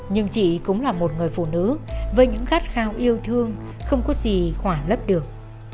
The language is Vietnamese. nhưng chị cũng là một người phụ nữ với những khát khao yêu thương không có gì khỏa lấp được